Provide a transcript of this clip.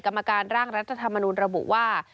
กรรมการร่างรัฐธรรมนุนระบุว่า